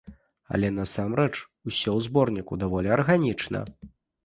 Але насамрэч усё ў зборніку даволі арганічна.